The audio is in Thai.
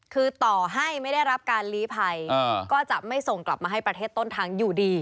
คือต่อให้ไม่ได้รับการลีภัยก็จะไม่ส่งกลับมาให้ประเทศต้นทางอยู่ดี